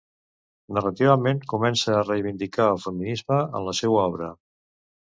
Narrativament, comença a reivindicar el feminisme en la seua obra.